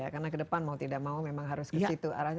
karena ke depan mau tidak mau memang harus ke situ arahnya